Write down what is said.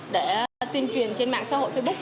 để tuyên truyền trên mạng xã hội facebook